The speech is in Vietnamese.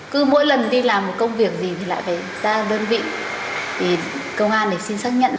cứ mỗi lần đi làm một công việc gì thì lại phải ra đơn vị công an xin xác nhận